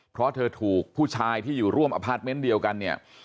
เพราะเธอถูกผู้ชายที่อยู่ร่วมอพาร์ทเมนต์เดียวกันเนี่ย